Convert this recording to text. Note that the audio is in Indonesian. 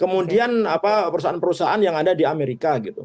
kemudian perusahaan perusahaan yang ada di amerika gitu